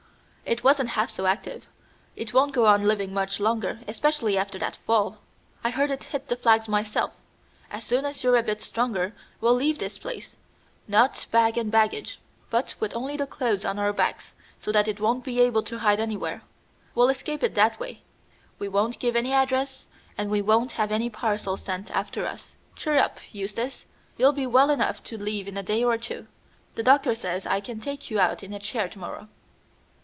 It wasn't half so active. It won't go on living much longer, especially after that fall. I heard it hit the flags myself. As soon as you're a bit stronger we'll leave this place; not bag and baggage, but with only the clothes on our backs, so that it won't be able to hide anywhere. We'll escape it that way. We won't give any address, and we won't have any parcels sent after us. Cheer up, Eustace! You'll be well enough to leave in a day or two. The doctor says I can take you out in a chair to morrow."